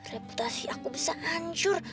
reputasi aku bisa hancur